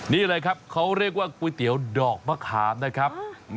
นี่เลยครับเขาเรียกว่าก๋วยเตี๋ยวดอกมะขามนะครับ